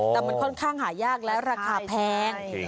แต่มันค่อนข้างหายากและราคาแพง